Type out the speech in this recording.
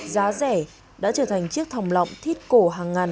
giá rẻ đã trở thành chiếc thòng lọng thít cổ hàng ngàn